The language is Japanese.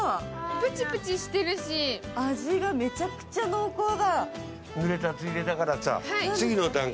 プチプチしてるし味がめちゃくちゃ濃厚だ。